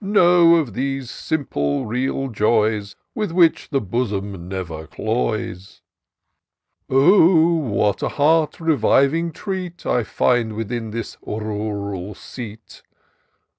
Know of those simple, real joys. With which the bosom never cloys ! Oh ! what a heart reviving treat I find within this rural seat